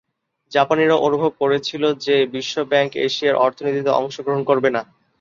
জাপানীরা অনুভব করেছিল যে, বিশ্বব্যাংক এশিয়ার অর্থনীতিতে অংশগ্রহণ করবে না।